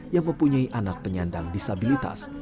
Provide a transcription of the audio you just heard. yang mempunyai anak penyandang disabilitas